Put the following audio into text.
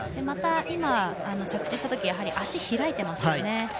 また今、着地したときに足が開いていましたよね。